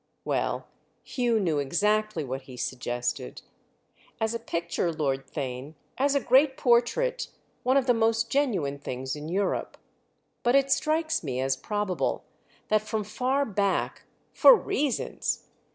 Well, Hugh knew exactly what he suggested. "As a picture, Lord Theign, as a great portrait, one of the most genuine things in Europe. But it strikes me as probable that from far back—for reasons!